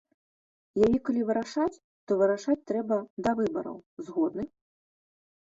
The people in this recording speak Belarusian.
Яе калі вырашаць, то вырашаць трэба да выбараў, згодны?